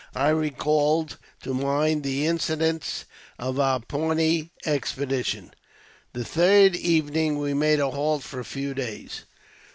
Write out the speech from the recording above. I recalled to mind the incidents of our Pawnee expedition. The third evening we made a halt for a few days.